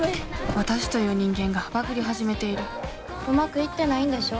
私という人間がバグり始めているうまくいってないんでしょ？